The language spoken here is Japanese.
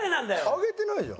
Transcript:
上げてないじゃん。